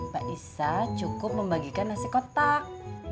mbak isa cukup membagikan nasi kotak